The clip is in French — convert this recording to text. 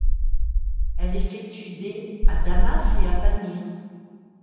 Elle effectue des à Damas et à Palmyre.